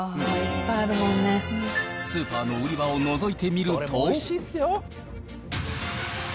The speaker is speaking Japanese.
スーパーの売り場をのぞいてみると。